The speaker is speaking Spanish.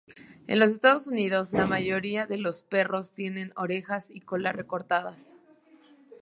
En los Estados Unidos, la mayoría de los perros tienen orejas y cola recortadas.